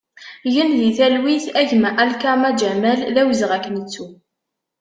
Gen di talwit a gma Alkama Ǧamal, d awezɣi ad k-nettu!